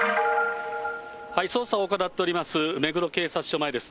捜査を行っております目黒警察署前です。